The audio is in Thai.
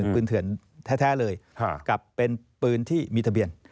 เถื่อนแท้เลยกลับเป็นปืนที่มีทะเบียน